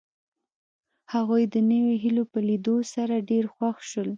هغوی د نویو هیلو په لیدو سره ډېر خوښ شول